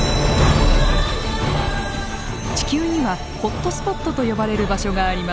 地球にはホットスポットと呼ばれる場所があります。